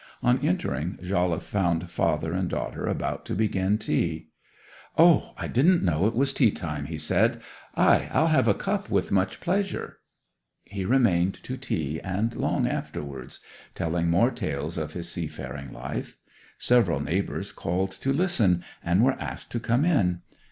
On entering Jolliffe found father and daughter about to begin tea. 'O, I didn't know it was tea time,' he said. 'Ay, I'll have a cup with much pleasure.' He remained to tea and long afterwards, telling more tales of his seafaring life. Several neighbours called to listen, and were asked to come in.